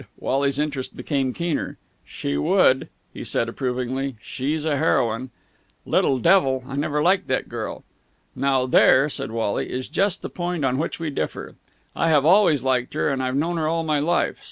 Wally's interest became keener. "She would!" he said approvingly. "She's a heroine!" "Little devil! I never liked that girl!" "Now there," said Wally, "is just the point on which we differ. I have always liked her, and I've known her all my life.